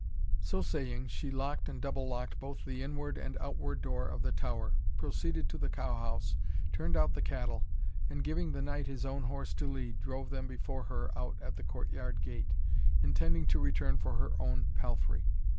So saying, she locked and double locked both the inward and outward door of the tower, proceeded to the cow house, turned out the cattle, and, giving the knight his own horse to lead, drove them before her out at the court yard gate, intending to return for her own palfrey.